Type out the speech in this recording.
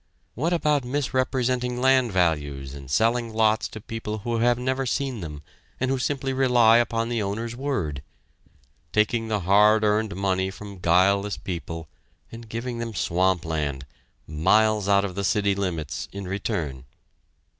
What about misrepresenting land values and selling lots to people who have never seen them and who simply rely upon the owner's word; taking the hard earned money from guileless people and giving them swamp land, miles out of the city limits, in return!